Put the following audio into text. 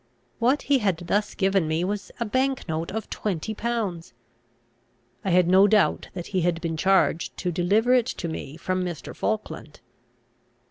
What he had thus given me was a bank note of twenty pounds. I had no doubt that he had been charged to deliver it to me from Mr. Falkland.